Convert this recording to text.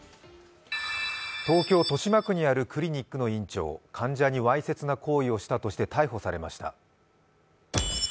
東京・豊島区にあるクリニックの院長患者にわいせつな行為をしたとして逮捕されました。